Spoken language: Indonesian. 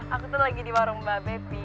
aku tuh lagi di warung mba be fi